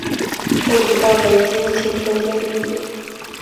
后移到北京秦城监狱。